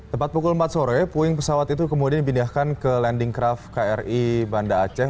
tepat pukul empat sore puing pesawat itu kemudian dipindahkan ke landing craft kri banda aceh